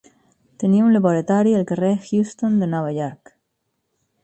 Tenia un laboratori al carrer Houston de Nova York.